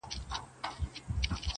خپروي زړې تيارې پر ځوانو زړونو٫